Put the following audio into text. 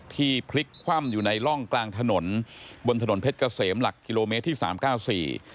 พลิกคว่ำอยู่ในร่องกลางถนนบนถนนเพชรเกษมหลักกิโลเมตรที่สามเก้าสี่